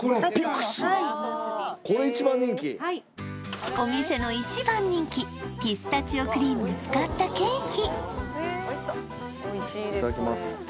・はいお店の１番人気ピスタチオクリームを使ったケーキいただきます